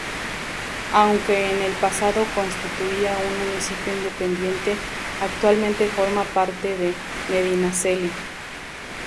Aunque en el pasado constituía un municipio independiente, actualmente forma parte de Medinaceli.